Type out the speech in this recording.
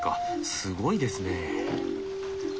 すごいですね。